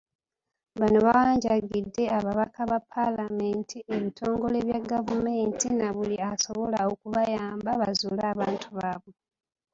Bano bawanjagidde ababaka ba paalamenti, ebitongole bya gavumenti na buli asobola okubayamba bazuule abantu baabwe.